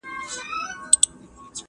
ښه ویلي دي سعدي په ګلستان کي ..